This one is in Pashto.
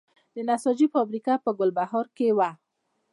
د نساجي فابریکه په ګلبهار کې وه